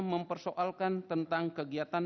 mempersoalkan tentang kegiatan